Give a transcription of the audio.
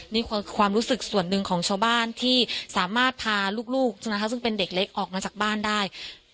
นี่คือความรู้สึกส่วนหนึ่งของชาวบ้านที่สามารถพาลูกใช่ไหมคะซึ่งเป็นเด็กเล็กออกมาจากบ้านได้